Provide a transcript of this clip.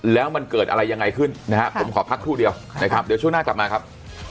แล้วมันเกิดอะไรยังไงขึ้นนะฮะผมขอพักครู่เดียวนะครับเดี๋ยวช่วงหน้ากลับมาครับ